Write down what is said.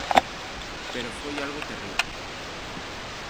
Pero foi algo terrible.